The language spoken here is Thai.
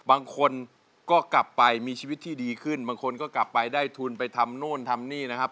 บางคนก็กลับไปมีชีวิตที่ดีขึ้นบางคนก็กลับไปได้ทุนไปทำโน่นทำนี่นะครับ